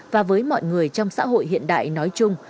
và với mọi người trong xã hội hiện đại nói chung